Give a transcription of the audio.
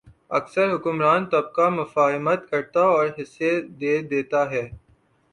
اکثر حکمران طبقہ مفاہمت کرتا اور حصہ دے دیتا ہے۔